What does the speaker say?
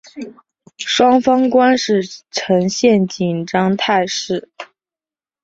双方关系呈现紧张态势。